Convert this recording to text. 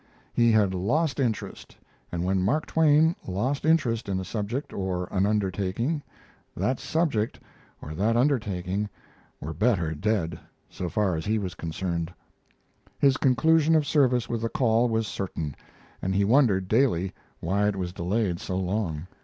He had lost interest, and when Mark Twain lost interest in a subject or an undertaking that subject or that undertaking were better dead, so far as he was concerned. His conclusion of service with the Call was certain, and he wondered daily why it was delayed so long.